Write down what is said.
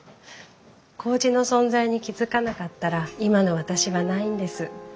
こうじの存在に気付かなかったら今の私はないんです。